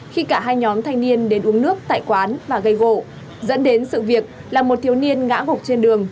khi cả hai nhóm thanh niên đến uống nước tại quán và gây gỗ dẫn đến sự việc là một thiếu niên ngã gục trên đường